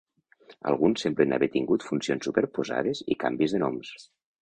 Alguns semblen haver tingut funcions superposades i canvis de nom.